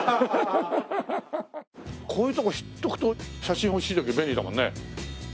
こういうとこ知っておくと写真欲しい時便利だもんね。